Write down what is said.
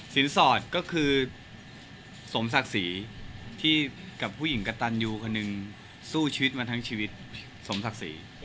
สอดก็คือสมศักดิ์ศรีที่กับผู้หญิงกระตันยูคนหนึ่งสู้ชีวิตมาทั้งชีวิตสมศักดิ์ศรี